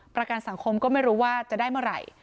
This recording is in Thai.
ประกันสังคมก็ไม่รู้ว่าจะได้เมื่อไหร่